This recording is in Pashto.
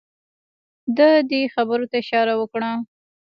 ده دې خبرې ته اشاره وکړه.